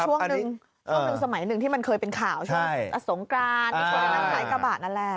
ช่วงนึงสมัยนึงที่มันเคยเป็นข่าวใช่ไหมอสงกรานนั่นแหละ